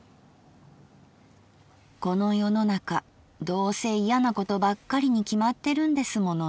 「この世の中どうせ嫌なことばっかりに決まってるんですものね。